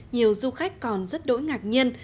nhiều du khách còn rất đỗi ngạc nhiên